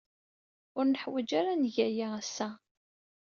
Ur neḥwaj ara ad neg aya ass-a.